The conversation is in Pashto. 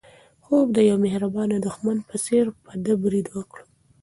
خوب د یو مهربانه دښمن په څېر په ده برید وکړ.